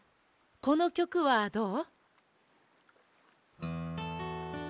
このきょくはどう？